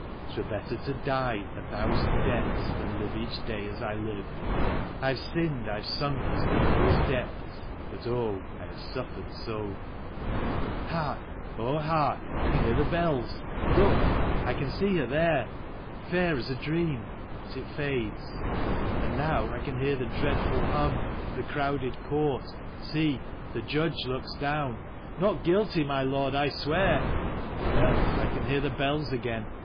'Twere better to die a thousand deaths than live each day as I live ! I have sinned, I have sunk to the lowest depths — but oh, I have suffered so ! Hark ! Oh hark ! I can hear the bells !... Look ! I can see her there. Fair as a dream ... but it fades ... And now — I can hear the dreadful hum Of the crowded court ... See ! the Judge looks down ... Not Guilty, my Lord, I swear ... The bells, I can hear the bells again